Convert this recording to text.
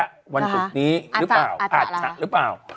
วันศุกร์นี้หรือเปล่าอาจจะหรือเปล่านะฮะหรือเปล่าอาจจะหรือเปล่า